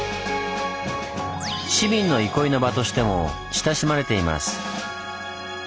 市民の憩いの場としても親しまれています。